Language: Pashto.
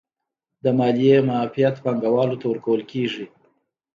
د مالیې معافیت پانګوالو ته ورکول کیږي